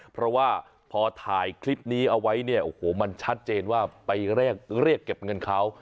เพราะว่าพอถ่ายคลิปนี้เอาไว้เนี่ยโอ้โหมันชัดเจนว่าไปเรียกเก็บเงินเขา